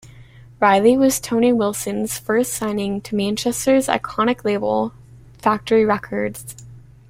Reilly was Tony Wilson's first signing to Manchester's iconic label, Factory Records.